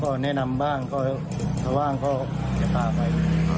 ก็แนะนำบ้างถ้าว่างก็จะพาไป